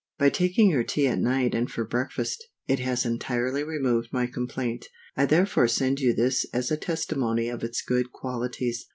By taking your Tea at night and for breakfast, it has entirely removed my complaint. I therefore send you this as a testimony of its good qualities.